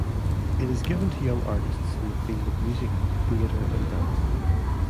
It is given to young artists in the field of music, theatre and dance.